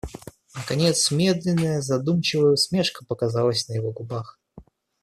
Наконец медленная, задумчивая усмешка показалась на его губах.